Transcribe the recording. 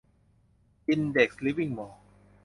อินเด็กซ์ลิฟวิ่งมอลล์